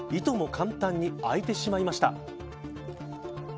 簡単に開いてしまいました。